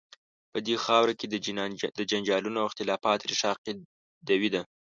په دې خاوره کې د جنجالونو او اختلافات ریښه عقیدوي ده.